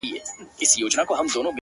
o د وخت پاچا زما اته ي دي غلا كړي؛